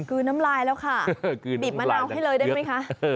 ลืนน้ำลายแล้วค่ะบีบมะนาวให้เลยได้ไหมคะ